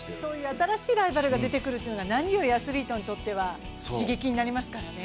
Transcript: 新しいライバルが出てくるっていうのが何よりもアスリートにとっては刺激になりますからね。